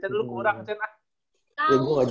berarti chen lu kurang